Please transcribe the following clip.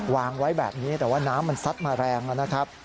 วางไว้แบบนี้แต่ว่าน้ำมันซัดมาแรงนะครับ